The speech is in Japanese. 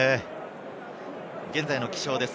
現在の気象です。